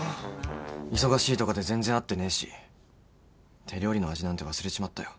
忙しいとかで全然会ってねえし手料理の味なんて忘れちまったよ。